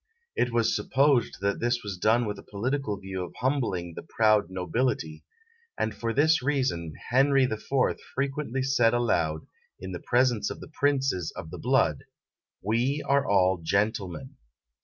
It was supposed that this was done with a political view of humbling the proud nobility; and for this reason Henry IV. frequently said aloud, in the presence of the princes of the blood, _We are all gentlemen.